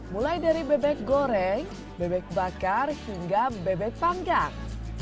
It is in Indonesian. mulai dari bebek goreng bebek bakar hingga bebek panggang